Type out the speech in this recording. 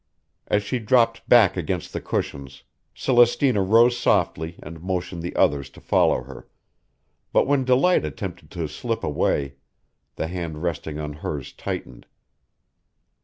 As she dropped back against the cushions, Celestina rose softly and motioned the others to follow her; but when Delight attempted to slip away the hand resting on hers tightened.